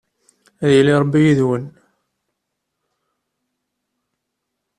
Ad yili Rebbi yid-wen!